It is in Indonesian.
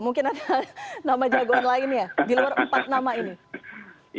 mungkin ada nama jagoan lainnya di luar empat nama ini